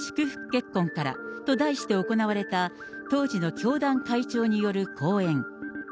結婚からと題して行われた当時の教団会長による講演。